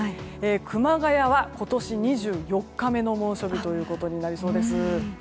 熊谷は今年、２４日目の猛暑日となりそうです。